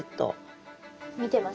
見てます？